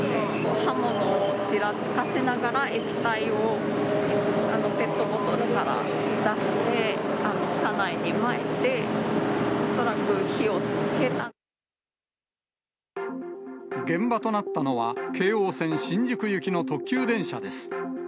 刃物をちらつかせながら、液体をペットボトルから出して、車内にまいて、現場となったのは、京王線新宿行きの特急電車です。